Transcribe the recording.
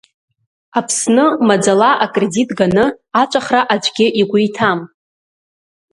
Аԥсны, маӡала акредит ганы аҵәахра аӡәгьы игәы иҭам.